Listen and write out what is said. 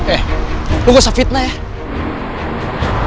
eh lu gak usah fitnah ya